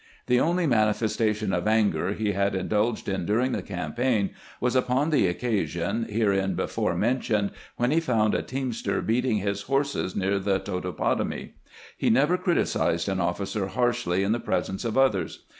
The only manifes tation of anger he had indulged in during the campaign was upon the occasion, hereinbefore mentioned, when he found a teamster beating his horses near the Toto potomoy. He never criticized an officer harshly in the presence of others.